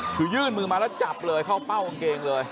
คือยื่นมือมาแล้วจับเลยเข้าเป้ากางเกงเลย